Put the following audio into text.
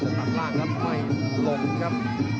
โอ้โห้ยตันหน้าร่างแล้วไว้ลบครับ